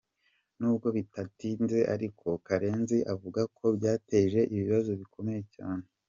Nubwo bitatinze ariko Karenzi avuga ko byateje ibibazo bikomeye cyane.